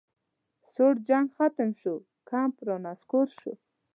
سوړ جنګ ختم شو کمپ رانسکور شو